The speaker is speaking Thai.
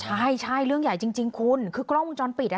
ใช่ใช่เรื่องใหญ่จริงคุณคือกล้องวงจรปิดอ่ะ